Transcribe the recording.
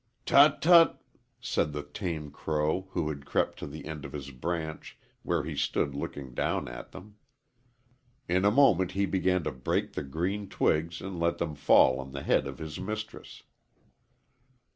"Tut, tut!" said the tame crow, who had crept to the end of his branch, where he stood looking down at them. In a moment he began to break the green twigs and let them fall on the head of his mistress.